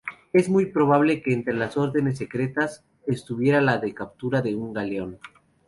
Es muy probable que entre las órdenes secretas estuviera la de capturar un galeón.